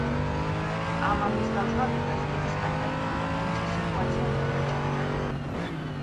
ამ ამბის გამჟღავნებას დიდი სკანდალი მოჰყვა, თუმცა სიტუაცია მალევე ჩაწყნარდა.